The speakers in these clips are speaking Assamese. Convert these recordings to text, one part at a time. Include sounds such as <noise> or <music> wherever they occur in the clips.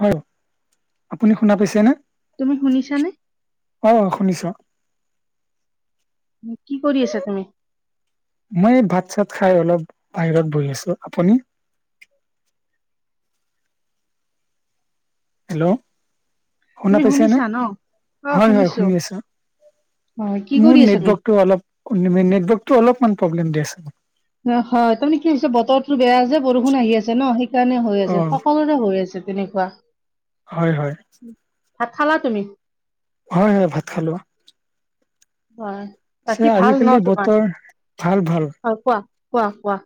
হয়, আপুনি শুনা পাইছে নে? তুমি শুনিছানে? অ শুনিছো। কি কৰি আছা তুমি? মই ভাত-চাত খাই অলপ বাহিৰত বহি আছো। আপুনি? হেল্ল' শুনা তুমি পাইছেনে? শুনিছা ন? অ' হয়, হয় শুনিছো। শুনি আছো। অ' কি মোৰ কৰি আছা তুমি? নেটৱৰ্কটো অলপ নেটৱৰ্কটো অলপমান প্ৰব্লেম দি আছে। ন হয় তাৰমানে কি হৈছে বতৰটো বেয়া যে বৰষুণ আহি আছে ন। সেই সেইকাৰণে হৈ অ আছে। সকলোৰে হৈ আছে তেনেকুৱা। হয়, হয়। ভাত খালা তুমি? হয়, হয় ভাত খালো। হয়। পিছে বাকী আজি-কালি বতৰ ভাল ভাল। অ কোৱা, কোৱা, কোৱা।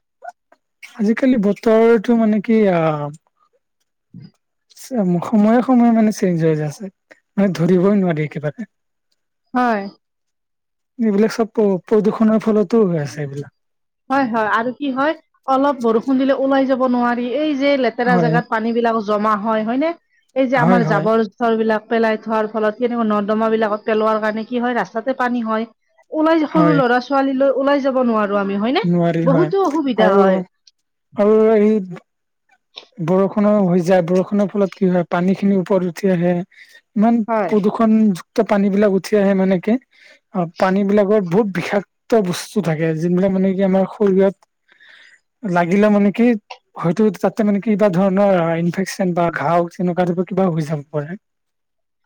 আজি-কালি বতৰটো মানে কি আ <inaudible> সময়ে সময়ে মানে চেঞ্জ হৈ যায় আছে মানে ধৰিবই নোৱাৰি কিবা এটা। হয়। এইবিলাক চব প্ৰদূষণৰ ফলতো হৈ আছে এইবিলাক। হয়, হয়, আৰু কি হয় অলপ বৰষুণ দিলে ওলাই যাব নোৱাৰি। এই যে লে- লেতেৰা হয় জেগাত পানী বিলাক জমা হয়, হয়নে? এই যে হয় আমাৰ হয় জাবৰ থলবিলাক পেলাই থোৱাৰ ফলত কেনিও নৰ্দমাবিলাকত পেলোৱাৰ কাৰণে কি হয় ৰাস্তাতে পানী হয়। ওলাই হয় সৰু ল'ৰা-ছোৱালী লৈ ওলাই যাব নোৱাৰো আমি, হয়নে? নোৱাৰি হয় বহুতো অসুবিধা আৰু হয়। <unintelligible> বৰষুণো হৈ যায়, বৰষুণৰ ফলত কি হয় পানী খিনি ওপৰত উঠি আহে ইমান হয় প্ৰদূষণযুক্ত পানী বিলাক উঠি আহে মানে এনেকে অ পানী বিলাকৰ বহুত বিষাক্ত বস্তু থাকে যোন বিলাক মানে কি আমাৰ শৰীৰত লাগিলে মানে কি হয়তো তাত তাৰ মানে কিবা ধৰণৰ ইনফেকচন বা ঘাঁও তেনেকুৱা টাইপৰ কিবা হৈ যাব পাৰে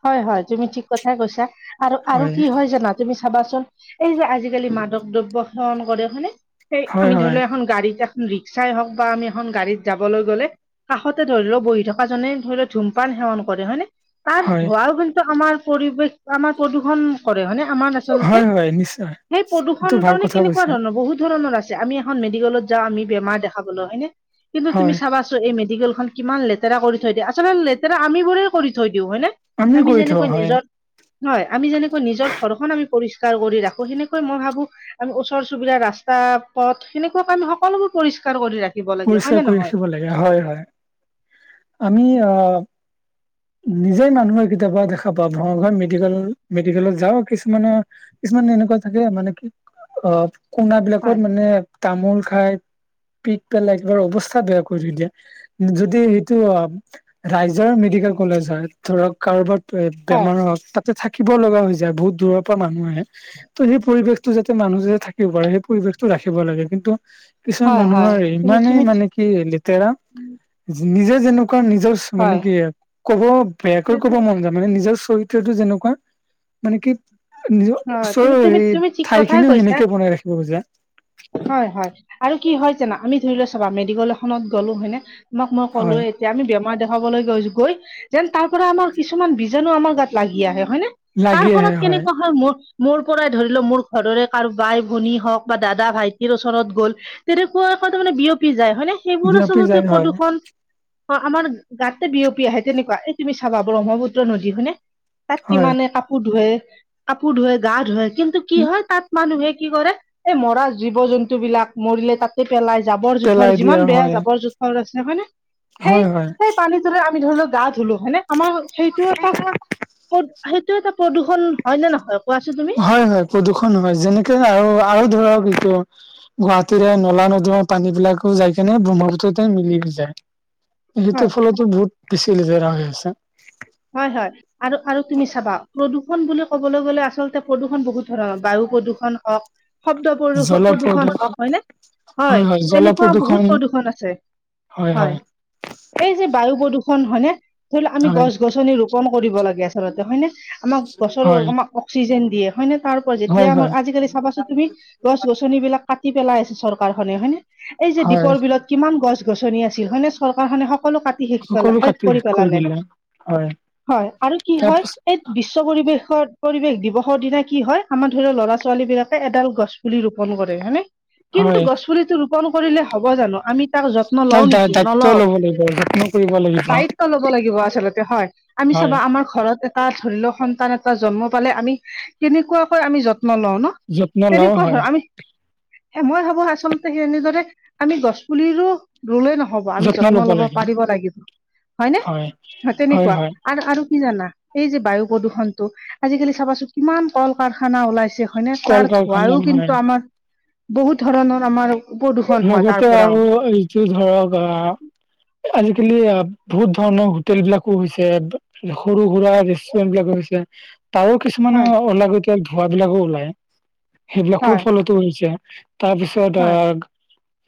হয় হয়, তুমি ঠিক কথাই কৈছা, আৰু আৰু কি হয় জানা তুমি চাবাচোন, এই যে আজিকালি মাদক দ্ৰব্য সেৱন কৰে, হয়নে? এই হয় আমি ধৰি হয় লও এখন গাড়ীত, এখন ৰিক্সাই হওক বা আমি এখন গাড়ীত যাবলৈ গলে কাষতে ধৰি লও বহি থকা জনে ধৰি লও ধূমপান সেৱন কৰে, হয়নে? তাৰ হয় ধোঁৱাও কিন্তু আমাৰ পৰিৱেশ, আমাৰ প্ৰদূষণ- কৰে হয়নে আমাৰ আচলতে, হয় হয় নিশ্চয় সেই প্ৰদূষণ এইটো ভাল তাৰ মানে কথা কেনেকুৱা কৈছা ধৰণৰ বহুত ধৰণৰ আছে আমি এখন মেডিকেলত যাওঁ আমি বেমাৰ দেখাবলৈ, হয় নে? কিন্তু তুমি হয় চাবাচো এই মেডিকেলখন- কিমান লেতেৰা কৰি থৈ দিয়ে, আচলতে লেতেৰা আমিবোৰে কৰি থৈ দিওঁ হয় নে? আমিও আমি কৰি থওঁ যেনেকৈ হয় নিজৰ হয়, আমি যেনেকৈ নিজৰ ঘৰখন আমি পৰিষ্কাৰ কৰি ৰাখো, সেনেকৈ মই ভাবো আমি ওচৰ -চুবুৰীয়া, ৰাস্তা -পথ, সেনেকুৱাকে আমি সকলোবোৰ পৰিস্কাৰ কৰি ৰাখি পৰিষ্কাৰ কৰি ৰাখিব লাগে। হয় হয় আমি অহ নিজেই মানুহৰ কেতিয়াবা দেখা পাওঁ। ভঙাগৰ মেডিকেল মেডিকেলত যাওঁ কিছুমানে কিছুমানে এনেকুৱা থাকে, মানে কি অ কোণ হয় বিলাকত মানে তামোল খাই পিক পেলাই একবাৰ অৱস্থা বেয়া কৰি দিয়ে যদি সেইটো অ ৰাইজৰ মেডিকেল কলেজ হয়, ধৰক কাৰোবাৰ এ হয় বেমাৰ হওক, তাতে থাকিব লগা হৈ যায়। বহুত দূৰৰ পৰা মানুহ আহে ত সেই পৰিৱেশটো যাতে মানুহ যাতে থাকিব পাৰে, সেই পৰিৱেশটো ৰাখিব লাগে কিন্তু কিছুমান হয় হয় মানুহৰ তুমি ইমানেই তুমি মানে কি লেতেৰা নিজে, যেনেকুৱা নিজৰ মানে হয় কি কব বেয়াকৈ কব ম মানে নিজৰ চৰিত্ৰটো যেনেকুৱা মানে কি? নিজৰ হয় ওচৰৰ তুমি তুমি হেৰি, তুমি ঠিক ঠাই কথাই খিনিও কৈছা সেনেকে বনাই ৰাখিব খোজে। হয় হয়। আৰু কি হয় জানা, আমি ধৰি লোৱা চাবা মেডিকেল এখনত গ'লো হয়নে? তুমাক মই ক'লো হয় এ তিয়া আমি বেমাৰ দেখাবলৈ গৈছ গৈ যেন তাৰ পৰা আমাৰ কিছুমান বীজাণু আমাৰ গাত লাগি আহে হয়নে? তাৰ লাগি আহে ফলত কেনেকুৱা হয় মোৰ মোৰ পৰাই ধৰি লও, মোৰ ঘৰৰে কাৰো বাই -ভনী হওক বা দাদা- ভাইটিৰ ওচৰত গ'ল তেনেকুৱা এ তাৰমানে বিয়পি যায় হয় নে? সেইবোৰ বিয়পি আচলতে যায় হয় প্ৰদূষণ অ আমাৰ গাতে বিয়পি আহে। তেনেকুৱা এই তুমি চাবা ব্ৰহ্মপুত্ৰ নদী হয়নে? তাত হয় কিমানে কাপোৰ ধুৱে-কাপোৰ ধুৱে, গা ধোৱে, কিন্তু কি হয়, তাত মানুহে কি কৰে এই মৰা জীৱ জন্তুবিলাক মৰিলে তাত পেলাই জাবৰ পেলাই -জোথৰ দিয়া যিমান বেয়া হয় জাবৰ -জোথৰ আছে, হয় নে সেই হয় হয় -সেই পানীত আমি ধৰি লও গা ধুলো, হয়নে? আমাৰ সেইটো এটা প্ৰদ সেইটো এটা প্ৰদূষণ হয় নে নহয় কোৱাচোন? তুমি হয়, হয় প্ৰদূষণ হয়, যেনেকে আৰু আৰু ধৰক এইটো গুৱাহাটীৰে নলা নৰ্দমাৰ পানী বিলাকো যাই কেনে ব্ৰহ্মপুত্ৰতে মিলি যায় সেইটোৰ হয় ফলতো বহুত বেছি লতেৰা হৈ আছে। হয় হয়। আৰু- আৰু তুমি চাবা, প্ৰদূষণ বুলি ক'বলৈ গ'লে আচলতে প্ৰদূষণ বহুত ধৰণৰ বায়ু প্ৰদূষণ হওক শব্দ প্ৰদূষন প্ৰদূষণ হওক হয় নে? হয়। তেনেকুৱা বহুত প্ৰদূষণ আছে হয়, হয়। এই যে বায়ু প্ৰদূষণ। হয়নে? ধৰি ল আমি হয় গছ গছনি ৰোপণ কৰিব লাগে। ৰতে, হয় নে আমাক গছৰো হয়, আমাক অক্সিজেন দিয়ে হয় নে তাৰ পৰা যেতিয়া হয়, আমাৰ হয়, আজিকালি চাবাচোন তুমি গছ গছনি বিলাক কাটি পেলাই আছ চৰকাৰখনে হয় নে এই যে হয়, দ্বীপৰ বিলত কিমান গছ -গছনি আছিল হয়নে, চৰকাৰখনে সকলো কাটি শেষ পেলা সকলো কাটি শেষ কৰি পেলালে দিলে, হয় হয় আৰু কি হয়, তাৰপাছ এই বিশ্ব পৰিৱেশত, পৰিৱেশ দিৱসৰ দিনা কি হয় আমাৰ ধৰি ল ল'ৰা ছোৱালী বিলাকে এডাল গছ পুলি ৰোপণ কৰে। হয়নে? কিন্তু হয়, গছ পুলিটো ৰোপণ কৰিলে হ'ব জানো আমি তাক যত্ন তাৰ লওঁ দা- নেকি? দায়িত্ব নলওঁ। ল'ব লাগিব, যত্ন কৰিব লাগিব। দায়িত্ব ল'ব লাগিব আচলতে। হয়। আমি হয়, চাবা আমাৰ ঘৰত এটা ধৰি ল সন্তান এটা জন্ম পালে আমি কেনেকুৱাকৈ আমি যত্ন লওঁ ন। যত্ন লও তেনেকুৱা হয়, ধৰ আমি এ মই ভাবো আচলতে সেই এনেদৰে আমি গছ পুলিৰো ৰুলেই নহ'ব আমি যত্ন ল'ব পাৰিব লাগিব। হয়নে? হয়, হয়, তেনেকুৱা হয়। আৰু আৰু কি জানা? এই যে বায়ু প্ৰদূষণটো আজিকালি চাবাচোন কিমান কল কাৰখানা ওলাইছে। হয়নে? কল তাৰ কাৰখানা ধোঁৱাইও হয়, কিন্তু আমাৰ বহুত ধৰণৰ আমাৰ প্ৰদূষণ হয় তাৰ লগতে পৰাও আৰু এইটো ধৰক আহ আজিকালি আ বহুত ধৰণৰ হোটেল বিলাকো হৈছে। সৰু সুৰা ৰেষ্টুৰেন্ট বিলাকো হৈছে। তাৰো কিছুমান হয় অলাগতিয়াল ধোঁৱা বিলাকো ওলাই, সেইবিলাকৰ হয় ফলতো হৈছে। তাৰ পিছত হয় আহ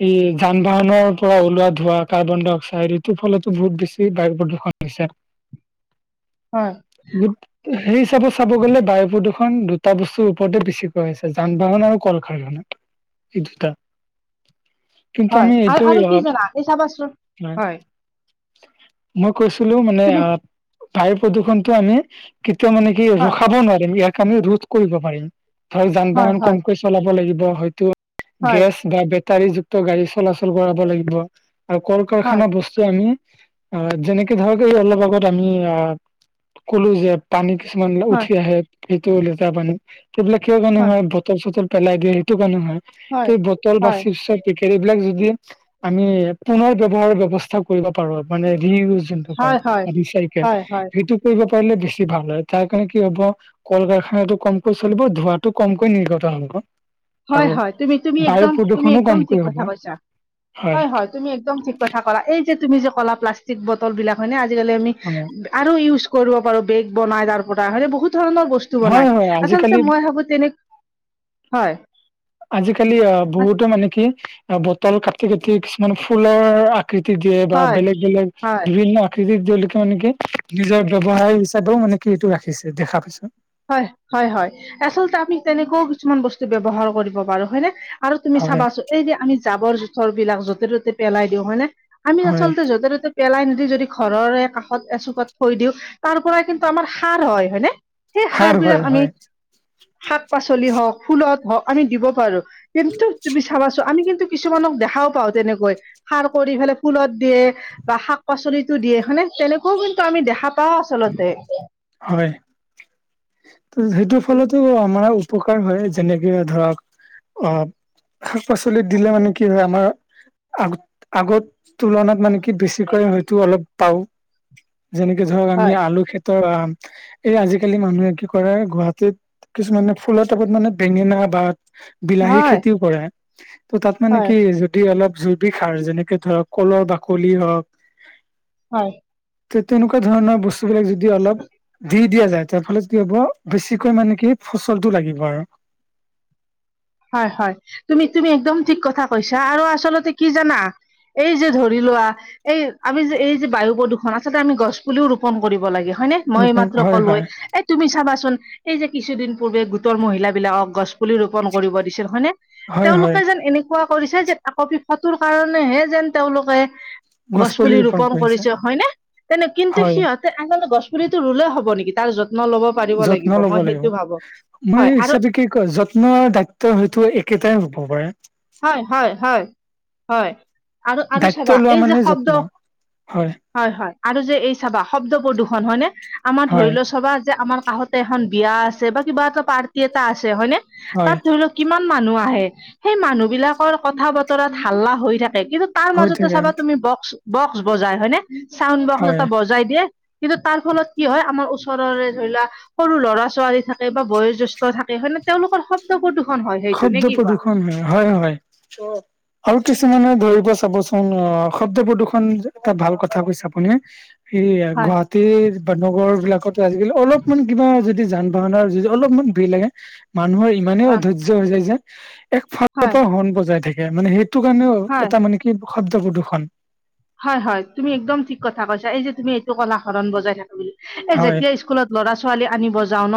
ই যান বাহনৰ পৰা ওলোৱা ধোঁৱা। কাৰ্বন ডাই অক্সাইড এইটোৰ ফলতো বহুত বেছি বায়ু প্ৰদূষণ হৈছে। হয়। সেই হিচাপত চাব গ'লে বায়ু প্ৰদূষণ দুটা বস্তুৰ ওপৰতে বেছিকৈ হৈছে যান বাহন আৰু কল কাৰখানা এই দুটা। কিন্তু হয় আমি এইটো আৰু আৰু কি অ' জানা এই চাবাচোন। হয়। মই কৈছিলো মানে তুমি আ বায়ু প্ৰদূষণটো আমি কেতিয়াও মানে কি হয় ৰখাব নোৱাৰিম ইয়াক আমি ৰোধ কৰিব পাৰিম। ধৰ যান হয় বাহন হয় কমকৈ চলাব লাগিব। হয়টো, হয় গেছ বা বেটাৰী যুক্ত গাড়ী চলাচল কৰাব লাগিব আৰু কল হয় কাৰখানা বস্তু স্টু আমি অ যেনেকে ধৰক এই অলপ আগত আমি আহ কলো যে পানী কিছুমান হয় উঠি আহে সেইটো লেতেৰা পানী সেইবিলাক কিয় কাৰণে হয় বতল চটল পেলাই দিয়ে সেই সেইটো কাৰণে হয়। ত বটল বাচি এই বিলাক যদি আমি পুনৰ ব্যৱহাৰ ব্যৱস্থা কৰিব পাৰোঁ মানে ৰি যোনটো হয় কয় হয় ৰিচাইকেল হয় হয় সেইটো কৰিব পাৰিলে বেছি ভাল হয়। তাৰ কাৰণে কি হ'ব কল কাৰখানাটো কমকৈ চলিব ধোঁৱাটো কমকৈ নিৰ্গত হ'ব। হয় আৰু হয় তুমি তুমি বায়ু একদম তুমি প্ৰদূষণো একদম ঠিক কমকৈ হব কথা কৈছা হয় হয় তুমি একদম ঠিক কথা ক'লা এই যে তুমি যে ক'লা প্লাষ্টিক বটল বিলাক হয়নে আজিকালি আমি আৰু ইউজ কৰিব পাৰোঁ বেগ বনাই তাৰ পৰা হয়নে বহুত ধৰণৰ বস্তু হয় বনাই হয় হয় আচলতে আজিকালি মই ভাবো তেনে, হয় আজিকালি আ বহুতো মানে কি আ বটল কাটি কাটি কিছুমান ফুলৰ আ আকৃতি দিয়ে বা হয় বেলেগ বেলেগ হয় বিভিন্ন আকৃতি তেওঁলোকে মানে কি নিজৰ ব্যৱসায় হিচাপেও মানে কি এইটো ৰাখিছে। দেখা পাইছোঁ। হয় হয় হয় আচলতে আমি তেনেকুৱাও কিছুমান বস্তু ব্যৱহাৰ কৰিব পাৰোঁ। হয় নে? আৰু তুমি হয় চাবাচোন এই যে আমি জাবৰ জোথৰ বিলাক য'তে ত'তে পেলাই দিওঁ হয়নে আমি হয় আচলতে য'তে ত'তে পেলাই নিদি যদি ঘৰৰে কাষত এচুকত থৈ দিওঁ তাৰ পৰাই কিন্তু আমাৰ সাৰ হয়। হয়নে? সেই সাৰ হয় বিলাক আমি হয় শাক পাচলি হওঁক ফুলত হওঁক আমি দিব পাৰোঁ। কিন্তু তুমি চাবাছো আমি কিন্তু কিছুমানক দেখাও পাওঁ তেনেকৈ সাৰ কৰি ফেলে ফুলত দিয়ে বা শাক পাচলিটো দিয়ে হয়নে তেনেকুৱাও কিন্তু আমি দেখা পাও আচলতে হয় যিটো ফলতো আমাৰ উপকাৰ হয় যেনেকে ধৰক অ, শাক পাচলিত দিলে মানে কি হয় আমাৰ আগ আগত তুলনাত মানে কি বেছিকৈ হয়তো অলপ পাওঁ। যেনেকে ধৰক আমি হয়, আলু খেতৰ আম এই আজিকালি মানুহে কি কৰে গুৱাহাটীত কিছুমানে ফুলৰ টাপত মানে বেঙেনা বা বিলাহী হয়, খেতিও কৰে ত' তাত মানে হয়, কি যদি অলপ জৈৱিক সাৰ যেনেকে ধৰক কলৰ বাকলি হ'ক হয় ত তেনেকুৱা ধৰণৰ বস্তু যদি অলপ দি দিয়া যায় তাৰ ফলত কি হ'ব বেছিকৈ মানে কি ফচলতটো লাগিব আৰু হয় হয় তুমি তুমি একদম ঠিক কথা কৈছা আৰু আচলতে কি জানা এই যে ধৰি লোৱা। এই আমি যে এই যে বায়ু প্ৰদূষণ আচলতে আমি গছ পুলিও ৰোপন কৰিব লাগে হয় নে মই ৰোপন মাত্ৰ হয় কলোৱে হয় এই তুমি চাবাচোন এই যে কিছুদিন পূৰ্বে গোটৰ মহিলা বিলাকক গছ পুলি ৰোপন কৰিব দিছিল হয়নে হয় হয় তেওঁলোকে যেন এনেকুৱা কৰিছে যে একপি ফটোৰ কাৰণেহে যেন তেওঁলোকে গছ পুলি ৰোপন কৰিছে হয়নে তেনে কিন্তু হয় সিহঁত আনে গছ পুলিটো ৰুলে হ'ব নেকি তাৰ যত্ন লব পাৰিব যত্ন লাগিব ল'ব মই লাগিব সেইটো ভাবো মই হয় আৰু ইচাজে কি কয় যত্ যত্ন দায়িত্ব হয়তো একেটাই হ'ব পাৰে। হয় হয় হয় হয় আৰু আৰু দায়িত্ব চাবা লোৱা এই যে মানে শব্দ যত্ন হয় হয় আৰু যে এই চাবা শব্দ প্ৰদূষণ হয়নে আমাৰ ধৰি হয় লোৱা চবা যে আমাৰ কাষত তাতে এখন বিয়া আছে বা কিবা এটা পাৰ্টি এটা আছে হয়নে হয় তাত ধৰি লওক কিমান মানুহ আহে সেই মানুহ বিলাকৰ কথা বতৰাত হাল্লা হৈ থাকে কিন্তু তাৰ হৈ মাজতে থাকে চাবা তুমি বক্স বক্স বজাই হয়নে চাউণ্ড বক্স হয় এটা বজাই দিয়ে কিন্তু তাৰ ফলত কি হয় আমাৰ ওচৰৰে ধৰি লোৱা সৰু ল'ৰা ছোৱালী থাকে বা বয়োজ্যেষ্ঠ থাকে হয় নে তেওঁলোকৰ শব শব্দ প্ৰদূষণ হয় শব্দ প্ৰদূষণ হয় হয় হয়। আৰু কিছুমানে ধৰিব চাবচোন অ শব্দ প্ৰদূ্ষন এটা ভাল কথা কৈছে আপুনি সেয়া হয় গুৱাহাটীৰ বা নগৰ বিলাকতো আজিকালি অলপমান কিবা যদি যান বাহনৰ যি অলপমান ভিৰ লাগে মানুহৰ ইমানেই অ অধৰ্য হৈ যায় যে একফালৰ হয় পৰা হণ বজাই থাকে মানে সেইটো কাৰণেও হয় এটা মানে কি শব্দ প্ৰদূৰণ হয় হয় তুমি একদম ঠিক কথা কৈছা এই যে তুমি এইটো কলা হৰণ বজাই থাকো বুলি এই হয় যেতিয়া স্কুলত ল'ৰা ছোৱালী আনিব যাও ন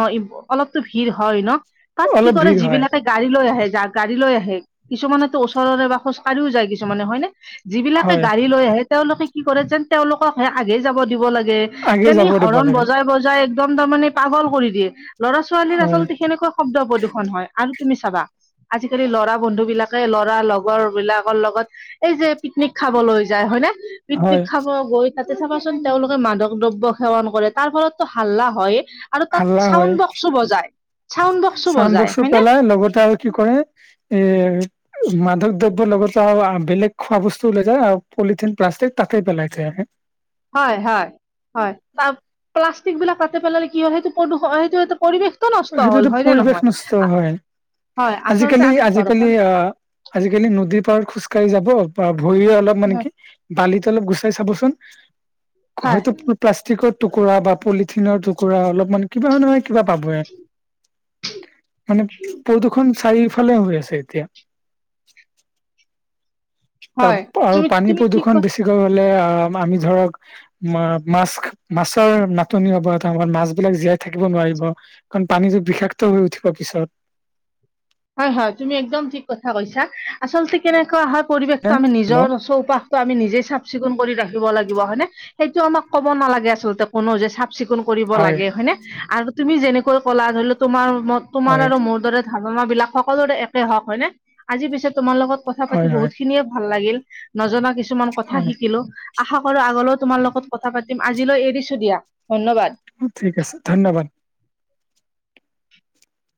অলপতো ভিৰ হয় ন তাত কি অলপ কৰে ভিৰ হয় যিবিলাকে গাড়ী লৈ আহে যাক গাড়ী লৈ আহে কিছুমানেতো ওচৰৰে বা খোজ কাঢ়িও যায় কিছুমানে হয়নে। যিবিলাকে হয় গাড়ী লৈ আহে তেওঁলোকে কি কৰে যেন তেওঁলোকক সে আগেই যাব দিব লাগে। আগে যেন যাব দিব হৰণ লাগে বজাই বজাই একদম তাৰমানে পাগল কৰি দিয়ে লৰা ছোৱালীৰ হয় আচলতে সেনেকুৱা শব্দ প্ৰদূষণ হয় আৰু তুমি চাবা আজিকালি লৰা বন্ধু বিলাকে ল'ৰা লগৰ বিলাকৰ লগত এই যে পিকনিক খাবলৈ যায় হয় নে হয় পিকনিক খাব গৈ তাতে চাবাচোন তেওঁলোকে মাদক দ্ৰব্য সেৱন কৰে তাৰ ফলতো হাল্লা হইয়ে আৰু তাত হাল্লা হয় চাউণ্ড বক্সো বজায় চাউণ্ড বক্সো বজায় হয়নে। এ লগতে আৰু কি কৰে এ মাদক দ্ৰব্যৰ লগতে আৰু বেলেগ খোৱা বস্তু লৈ যায় আৰু পলিথিন প্লাষ্টিক তাতে পেলাই থৈ আহে। হয়-হয়-হয় তাত প্লাষ্টিক বিলাক তাতে পেলালে কি হয় সেইটো প্ৰদষ সেইটো - সেইটো পৰিৱেশ সেইটোৱেতো পৰিৱেশ নষ্ট হয় হয় আচলতে আমি আজিকালি- ঘৰখন আজিকালি আহ আজিকালি নদীৰ পাৰত খোজকাঢ়ি যাব বা ভৰিয়ে অলপ মানে হয় কি বালিত অলপ গুচাই চাবচোন হয় হয়তো প্লাষ্টিকৰ টুকুৰা বা পলিথিনৰ টুকুৰা অলপমান কিবা নহয় কিবা পাবয়ে। মানে প্ৰদূষণ চাৰিওফালে হৈ আছে এতিয়া হয়, তাৰ আৰু তুমি পানী তুমি ঠিক প্ৰদূ্ষণ কথা বেছিকৈ হলে আহ আমি ধৰক মা মাছস্ক মাছৰ নাটনি হ'ব এটাসময়ত মাছ বিলাক জীয়াই থাকিব নোৱাৰিব কাৰণ পানীটো বিষাক্ত হৈ উঠিব পিছত হয় হয় তুমি একদম ঠিক কথা কৈছা আচলতে কেনেকুৱা হয় পৰিৱেশটো আমি হেল্ল' নিজৰ চৌপাশ ত'আমি নিজে চাফ চিকুণ কৰি ৰাখিব লাগিব হয়নে সেইটো আমাক ক'ব নালাগে আচলতে কোনো যে চা চিকুণ কৰিব হয় লাগে হয়নে আৰু তুমি যেনেকৈ কলা ধৰি লওঁ তোমাৰ মত তোমাৰ হয় আৰু মোৰ দৰে ভাবনাবিলাক সকলোৰে একে হওক হয় নে আজি পিছে তোমাৰ লগত কথা হয় পাতি হয় বহুত খিনিয়ে ভাল লাগিল নজনা কিছুমান কথা হয় শিকিলোঁ। আশা কৰো আগলৈওঁ তোমাৰ লগত কথা পাতিম আজিলৈ এৰিছোঁ দিয়া ধন্যবাদ। উম, ঠিক আছে ধন্যবাদ।